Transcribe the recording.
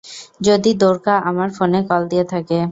যদি দ্বোরকা আমার ফোনে কল দিয়ে থাকে।